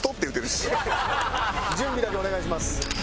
準備だけお願いします。